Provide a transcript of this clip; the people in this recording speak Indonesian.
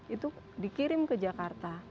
itu dikirim ke jakarta